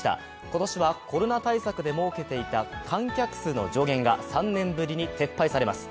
今年はコロナ対策で設けていた観客数の上限が３年ぶりに撤廃されます。